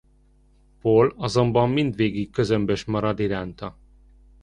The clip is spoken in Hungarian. Paul azonban mindvégig közömbös marad iránta.